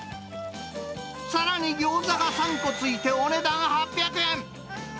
さらにギョーザが３個付いてお値段８００円。